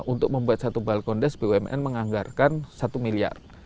untuk membuat satu balkon desk bumn menganggarkan satu miliar